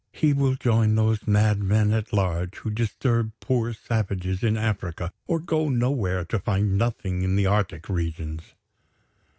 He will join those madmen at large who disturb poor savages in Africa, or go nowhere to find nothing in the Arctic regions.